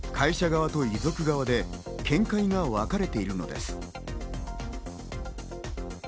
会社側と遺族側で見解が分かれているのです。